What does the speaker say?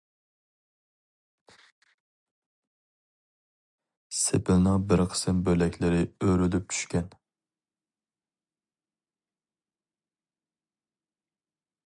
سېپىلنىڭ بىر قىسىم بۆلەكلىرى ئۆرۈلۈپ چۈشكەن.